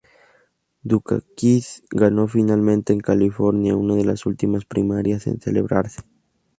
Dukakis ganó finalmente en California, una de las últimas primarias en celebrarse.